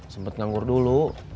sempet nganggur dulu